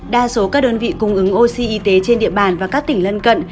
đa số các đơn vị cung ứng oxy y tế trên địa bàn và các tỉnh lân cận